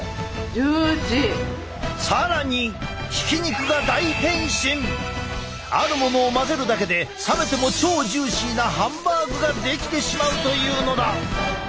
更にあるものを混ぜるだけで冷めても超ジューシーなハンバーグが出来てしまうというのだ。